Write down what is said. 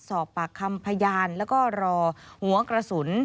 สอบปากคำพยานแล้วก็รอหัวกระสุน